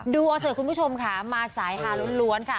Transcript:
ดูเอาเถอะคุณผู้ชมค่ะมาสายฮาล้วนค่ะ